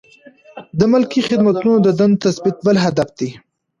د ملکي خدمتونو د دندو تثبیت بل هدف دی.